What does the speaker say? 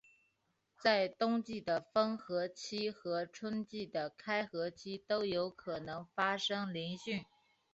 在冬季的封河期和春季的开河期都有可能发生凌汛。